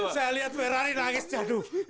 saya lihat ferari nangis jaduh